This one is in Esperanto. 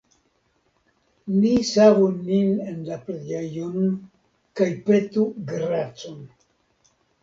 Ni savu nin en la preĝejon, kaj petu gracon!